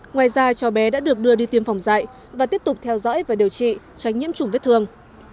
ngoài ra cháu bé đã được đưa đi tiêm phòng dạy và tiếp tục theo dõi và điều trị tránh nhiễm trùng vết thương